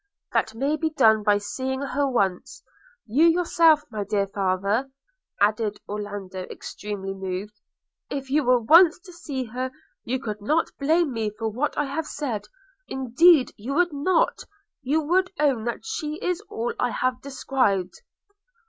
'That may be done by seeing her once. You yourself, my dear father!' added Orlando extremely moved, 'if you were once to see her, would not blame me for what I have said. Indeed you would not: you would own that she is all I have described.'